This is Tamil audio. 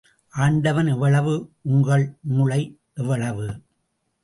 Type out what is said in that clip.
ஆண்டவன் எவ்வளவு! உங்கள் மூளை எவ்வளவு!